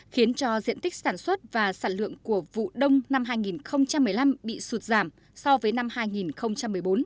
khiến cho diện tích sản xuất và sản lượng của vụ đông năm hai nghìn một mươi năm bị sụt giảm so với năm hai nghìn một mươi bốn